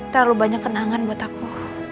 terlalu banyak kenangan buat aku